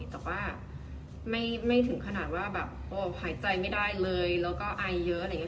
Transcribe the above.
แต่ว่าไม่ถึงขนาดว่าแบบหายใจไม่ได้เลยแล้วก็ไอเยอะอะไรอย่างนี้